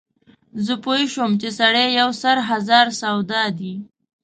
زه پوی شوم چې سړی یو سر هزار سودا دی.